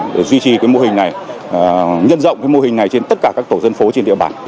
để duy trì cái mô hình này nhân rộng cái mô hình này trên tất cả các tổ dân phố trên địa bàn